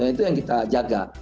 itu yang kita jaga